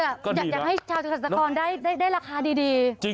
อยากให้ชาวเกษตรกรได้ราคาดี